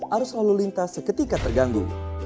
arus lalu lintas seketika terganggu